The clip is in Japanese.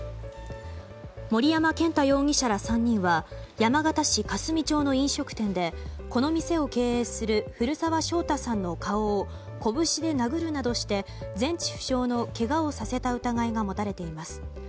森山健太容疑者ら３人は山形市香澄町の飲食店でこの店を経営する古沢将太さんの顔を拳で殴るなどして全治不詳のけがをさせた疑いが持たれています。